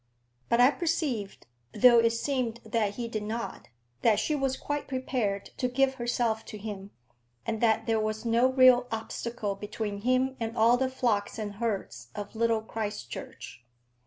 But I perceived, though it seemed that he did not, that she was quite prepared to give herself to him, and that there was no real obstacle between him and all the flocks and herds of Little Christchurch.